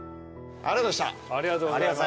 ありがとうございます。